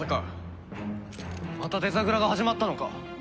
またデザグラが始まったのか？